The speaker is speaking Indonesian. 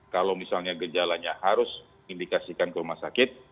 kalau misalnya gejalanya harus indikasikan ke rumah sakit